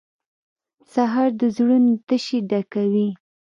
سهار د زړونو تشې ډکوي.